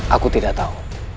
aku tidak tahu